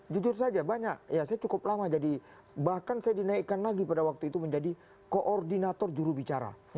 jujur saja banyak ya saya cukup lama jadi bahkan saya dinaikkan lagi pada waktu itu menjadi koordinator jurubicara